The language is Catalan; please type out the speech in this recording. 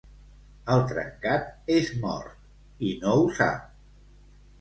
El trencat és mort i no ho sap.